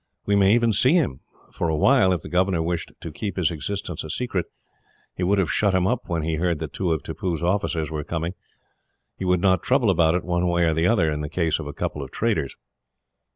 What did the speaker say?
We may even see him; for while, if the governor wished to keep his existence a secret, he would have shut him up when he heard that two of Tippoo's officers were coming, he would not trouble about it, one way or the other, in the case of a couple of traders.